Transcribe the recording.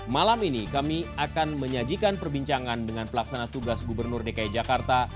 malam ini kami akan menyajikan perbincangan dengan pelaksana tugas gubernur dki jakarta